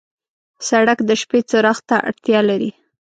سړک د شپې څراغ ته اړتیا لري.